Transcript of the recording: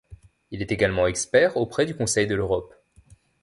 Il est également expert auprès du Conseil de l'Europe.